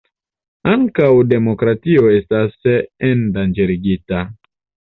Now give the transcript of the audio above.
Ankaŭ demokratio estas endanĝerigita.